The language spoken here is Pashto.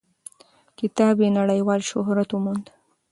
کتاب یې نړیوال شهرت وموند.